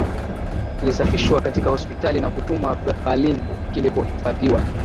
Kilisafishwa katika hospitali na kutumwa Berlin kilipohifadhiwa